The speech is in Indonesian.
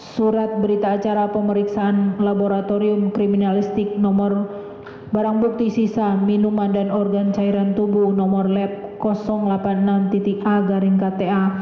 surat berita acara pemeriksaan laboratorium kriminalistik no barang bukti sisa minuman dan organ cairan tubuh no lab delapan puluh enam a kta dua ribu enam belas